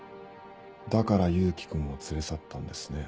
だから勇気君を連れ去ったんですね。